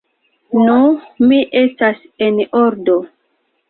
Nu, mi estas en ordo!